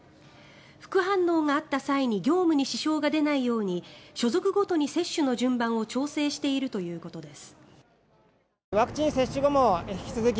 副反応があった際に業務に支障が出ないように所属ごとに接種の順番を調整しているということです。